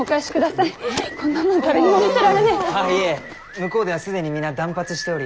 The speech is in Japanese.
向こうでは既に皆断髪しており。